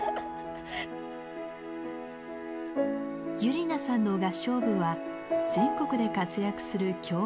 有里奈さんの合唱部は全国で活躍する強豪校。